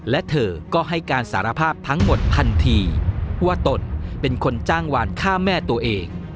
และเธอก็ให้การสารภาพทั้งหมดทันทีว่าตนเป็นคนจ้างวานฆ่าแม่ตัวเอง